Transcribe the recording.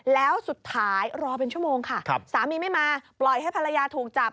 แล้วสุดท้ายรอเป็นชั่วโมงค่ะสามีไม่มาปล่อยให้ภรรยาถูกจับ